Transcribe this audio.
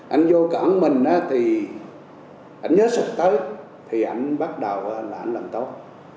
anh vô cận mình anh nhớ sụp tới thì anh bắt đầu làm tốt